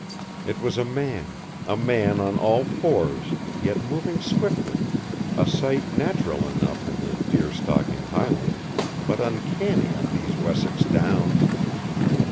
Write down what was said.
It was a man, a man on all fours, yet moving swiftly, a sight natural enough in the deer stalking Highlands, but uncanny on these Wessex downs.